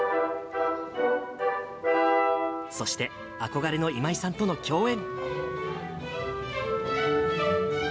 そして、憧れの今井さんとの共演。